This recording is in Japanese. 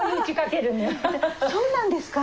「そうなんですか？